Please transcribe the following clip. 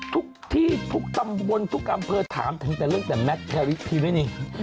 ทุกที่ทุกตำบลทุกอำเภอถามถึงแต่เรื่องแต่แมทแคลิสทีวี